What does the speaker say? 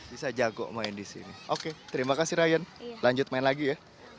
bisa jago main di sini oke terima kasih ryan lanjut main lagi ya